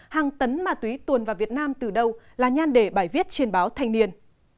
hàng tấn ma túy tuồn vào việt nam từ đâu là nhan đề bài viết trên báo thanh niên